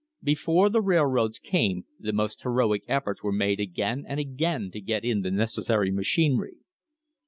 Before the railroads came the most heroic efforts were made again and again to get in the necessary machinery.